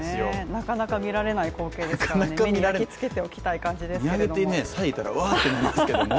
なかなか見られない光景ですからね目に焼き付けておきたい感じですけども。